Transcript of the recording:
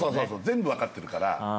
全部分かってるから。